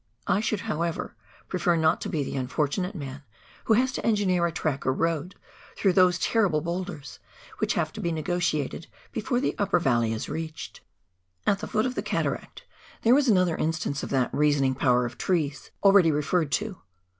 I should, however, prefer not to be the unfortunate man who has to engineer a track or road through those terrible boulders, which have to be negotiated before the upper valley is reached. 194 PIONEER WORK IN THE ALPS OF NEW ZEALAND. At the foot of the cataract there was another instance of that " reasoning power of trees " already referred to.